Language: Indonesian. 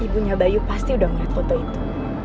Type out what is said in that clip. ibunya bayu pasti udah melihat foto itu